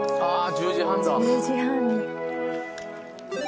１０時半に。